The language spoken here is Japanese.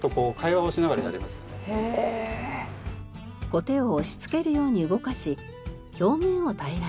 コテを押し付けるように動かし表面を平らに。